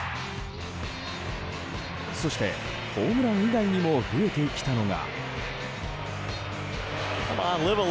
そして、ホームラン以外にも増えてきたのが。